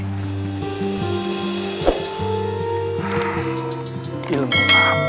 ajari saya ilmu yang kanjeng sunan miliki